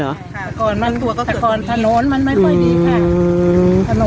ค่ะแต่ก่อนมันตัวก็เกิดตรงนี้แต่ก่อนถนนมันไม่ค่อยดีค่ะอืม